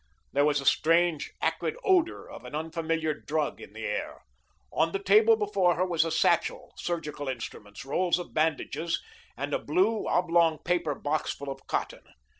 There was a strange, acrid odour of an unfamiliar drug in the air. On the table before her was a satchel, surgical instruments, rolls of bandages, and a blue, oblong paper box full of cotton.